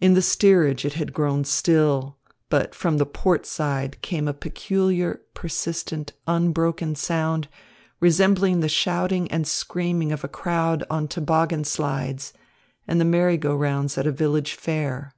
In the steerage it had grown still. But from the port side came a peculiar, persistent, unbroken sound, resembling the shouting and screaming of a crowd on toboggan slides and merry go rounds at a village fair.